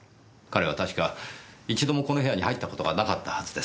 彼は確か一度もこの部屋に入った事がなかったはずです。